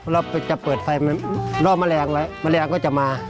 มาไปจะเปิดไฟร่อมแมลงไว้แล้วแมลงก็จะมา